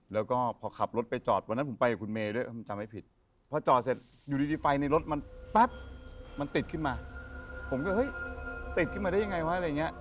แล้วก็พอขับรถไปจอดวันนั้นผมไปกับคุณเมย์ด้วยผมจำไม่ผิดพอจอดเสร็จอยู่ดีไฟในรถมันแป๊บมันติดขึ้นมาผมก็เฮ้ยติดขึ้นมาได้ยังไงวะอะไรอย่างเงี้ย